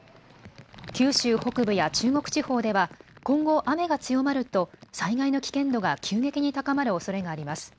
九州北部や中国地方では今後、雨が強まると災害の危険度が急激に高まるおそれがあります。